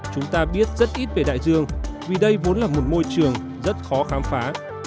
chúng ta biết rất ít về đại dương vì đây vốn là một môi trường rất khó khám phá